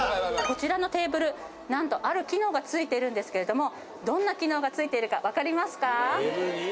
こちらのテーブル何とある機能が付いてるんですけれどもどんな機能が付いているかわかりますか？